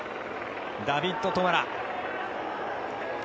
ダビッド・トマラ。